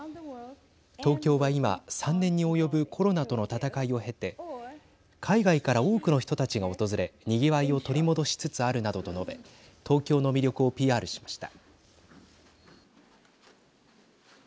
東京は今３年に及ぶコロナとの闘いを経て海外から多くの人たちが訪れにぎわいを取り戻しつつあるなどと述べ東京の魅力をＰＲしました。